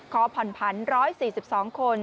ขอผ่อนผันร้อยสี่สิบสองคน